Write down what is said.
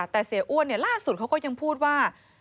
แต่เสียอ้วนล่าสุดเขาก็ยังพูดว่า